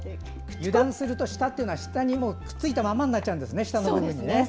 油断すると舌というのは下にくっついたままになっちゃうんですね。